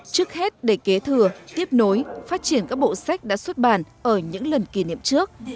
trước hết để kế thừa tiếp nối phát triển các bộ sách đã xuất bản ở những lần kỷ niệm trước